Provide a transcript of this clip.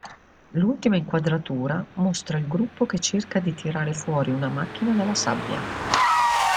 L'ultima inquadratura mostra il gruppo che cerca di tirare fuori una macchina dalla sabbia.